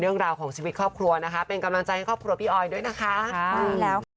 เขาก็ต้องเยี่ยมเงียบเหมือนผม